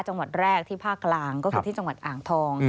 จังหวัดแรกที่ภาคกลางก็คือที่จังหวัดอ่างทอง